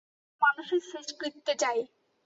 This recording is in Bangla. মানুষের শেষকৃত্যে যাই।